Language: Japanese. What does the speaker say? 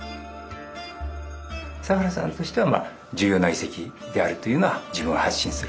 佐原さんとしては重要な遺跡であるというのは自分は発信すると。